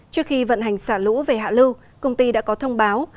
trước khi vận hành xả lũ về hạ lưu công ty đã có thông báo